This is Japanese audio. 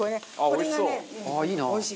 あっおいしそう！